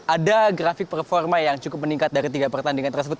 ada grafik performa yang cukup meningkat dari tiga pertandingan tersebut